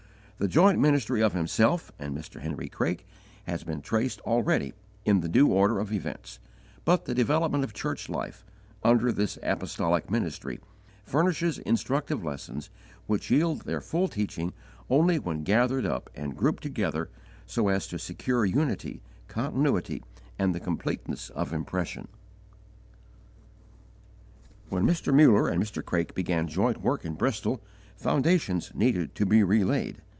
The joint ministry of himself and Mr. Henry Craik has been traced already in the due order of events; but the development of church life, under this apostolic ministry, furnishes instructive lessons which yield their full teaching only when gathered up and grouped together so as to secure unity, continuity, and completeness of impression. When Mr. Muller and Mr. Craik began joint work in Bristol, foundations needed to be relaid.